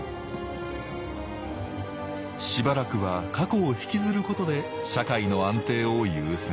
しばらくは過去をひきずることで社会の安定を優先。